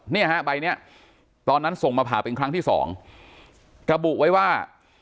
เนี่ยฮะใบเนี้ยตอนนั้นส่งมาผ่าเป็นครั้งที่สองระบุไว้ว่า